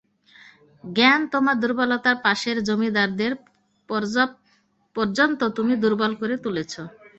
জান, তোমার দুর্বলতায় পাশের জমিদারদের পর্যন্ত তুমি দুর্বল করে তুলেছ?